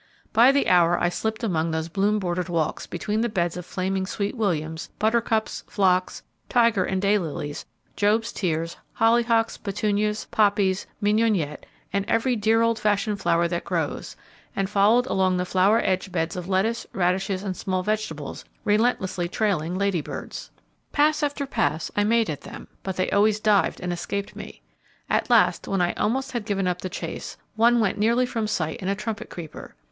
By the hour I slipped among those bloom bordered walks between the beds of flaming sweet williams, buttercups, phlox, tiger and day lilies, Job's tears, hollyhocks, petunias, poppies, mignonette, and every dear old fashioned flower that grows, and followed around the flower edged beds of lettuce, radishes, and small vegetables, relentlessly trailing Lady Birds. Pass after pass I made at them, but they always dived and escaped me. At last, when I almost had given up the chase, one went nearly from sight in a trumpet creeper.